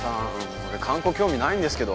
俺観光興味ないんですけど。